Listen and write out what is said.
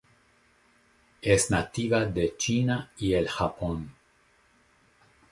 Es nativa de China y el Japón.